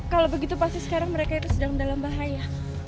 kalau begitu pasti sekarang mereka itu sedang dalam bahaya